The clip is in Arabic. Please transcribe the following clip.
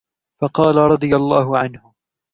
فَقَالَ رَضِيَ اللَّهُ عَنْهُ